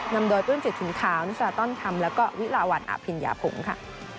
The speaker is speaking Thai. นำโดยปืนจุดถุงขาวนุษยาต้นทำแล้วก็วิลาวันอาพินยาผงค่ะ